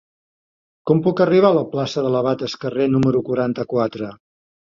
Com puc arribar a la plaça de l'Abat Escarré número quaranta-quatre?